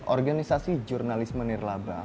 organisasi jurnalis menir laba